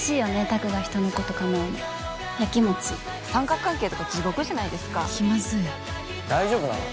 拓が人のこと構うのやきもち三角関係とか地獄じゃないですか気まずい大丈夫なの？